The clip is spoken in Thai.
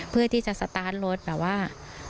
เพื่อที่จะสตาร์ทรถแบบว่า